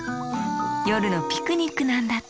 よるのピクニックなんだって！